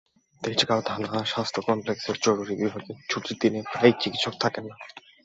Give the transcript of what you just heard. তেজগাঁও থানা স্বাস্থ্য কমপ্লেক্সের জরুরি বিভাগে ছুটির দিনে প্রায়ই চিকিৎসক থাকেন না।